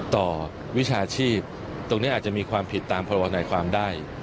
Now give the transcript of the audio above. ต่อวิชาชีพตรงนี้อาจจะมีความผิดตามประวัติภาคความได้